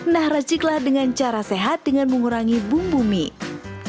nah raciklah dengan cara sehat dengan mengurangi bumbu mie